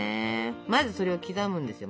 まずそれを刻むんですよ